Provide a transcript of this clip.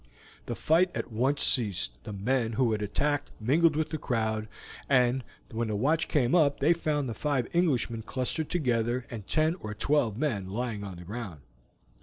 The fight at once ceased, the men who had attacked mingled with the crowd, and when the watch came up they found the five Englishmen clustered together and ten or twelve men lying on the ground.